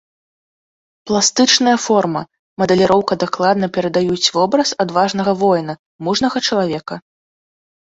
Пластычная форма, мадэліроўка дакладна перадаюць вобраз адважнага воіна, мужнага чалавека.